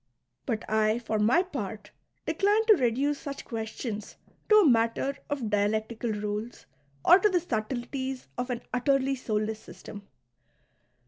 But I for my part decline to reduce such questions to a matter of dialectical rules or to the subtleties of an utterly soulless system.